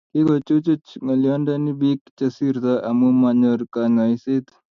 Kikochuchuch ngoliondoni bik che sirtoi amu manyor kanyoiset